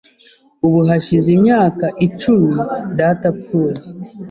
Ubu hashize imyaka icumi data apfuye.